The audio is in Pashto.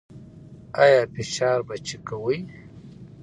ایا فشار به چیک کوئ؟